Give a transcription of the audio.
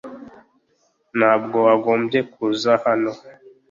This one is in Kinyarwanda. Ntabwo wagombye kuza hano .